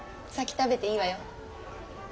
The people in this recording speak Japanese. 食べていいのよ。